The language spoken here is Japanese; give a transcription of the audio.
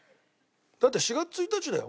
だって４月１日だよ？